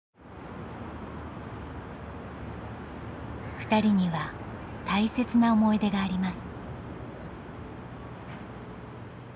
ふたりには大切な思い出があります。